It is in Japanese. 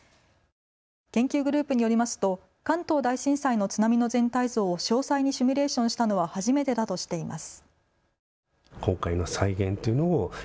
研究グループによりますと関東大震災の津波の全体像を詳細にシミュレーションしたのは初めてだとしています。